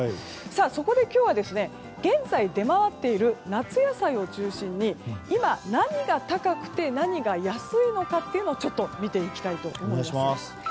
そこで今日は現在出回っている夏野菜を中心に今、何が高くて何が安いのかっていうのを見ていきたいと思います。